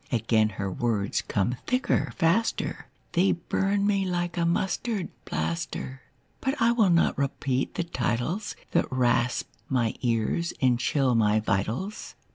Again her words come thicker, faster, They burn me like a mustard plaster. But I will not repeat the titles That rasp my ears and chill my vitals.